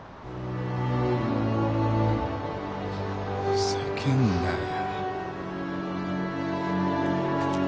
ふざけんなよ！